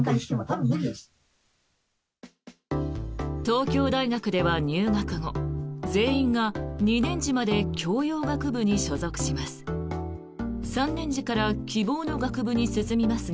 東京大学では入学後全員が２年次まで教養学部に所属します。